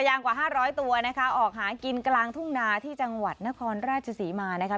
ยางกว่า๕๐๐ตัวนะคะออกหากินกลางทุ่งนาที่จังหวัดนครราชศรีมานะคะ